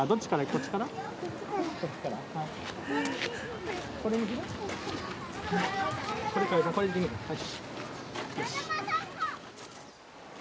こっちからはい。